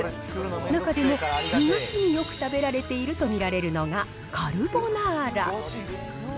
中でも、２月によく食べられていると見られるのが、カルボナーラ。